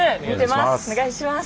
はいお願いします。